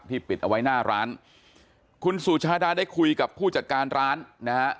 ปิดเอาไว้หน้าร้านคุณสุชาดาได้คุยกับผู้จัดการร้านนะฮะ